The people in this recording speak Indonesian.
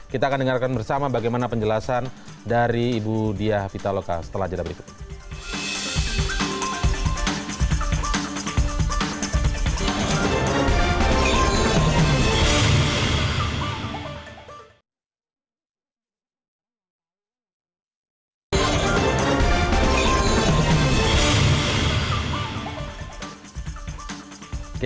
kita akan dengarkan bersama bagaimana penjelasan dari ibu diah vita loka setelah jeda berikut ini